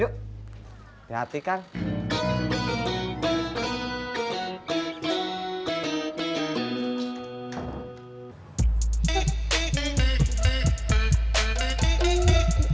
yuk nyati kang